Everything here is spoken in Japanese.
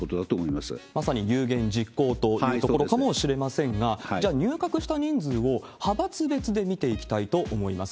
まさに有言実行というところかもしれませんが、じゃあ、入閣した人数を派閥別で見ていきたいと思います。